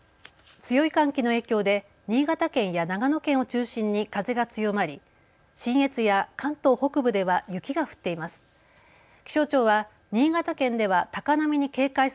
強い寒気の影響で新潟県や長野県を中心に風が強まり、信越や関東北部では雪が降っています。